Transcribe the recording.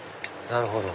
なるほど。